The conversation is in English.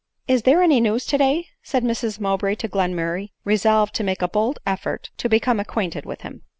" Is there any news today ?" said Mrs Mowbray to Glenmurray, resolved to make a bold effort to become! acquainted with him.